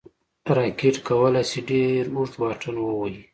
راکټ کولی شي ډېر اوږد واټن ووايي